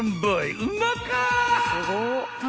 ［うまか！］